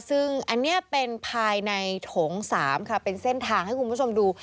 ซึ่งอันนี้เป็นภายในโถง๓ค่ะเป็นเส้นทางให้คุณผู้ชมดู